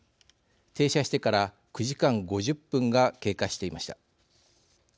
停車してから９時間５０分が経過していました。